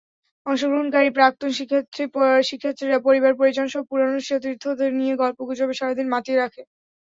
অংশগ্রহণকারী প্রাক্তন শিক্ষার্থীরা পরিবার–পরিজনসহ পুরোনো সতীর্থদের নিয়ে গল্পগুজবে সারা দিন মাতিয়ে রাখে।